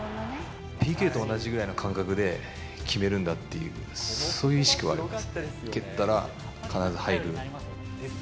ＰＫと同じぐらいの感覚で決めるんだっていう、そういう意識はあります。